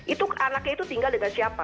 itu anaknya itu tinggal dengan siapa